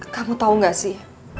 kamu tau gak sih